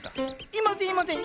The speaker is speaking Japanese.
いませんいません！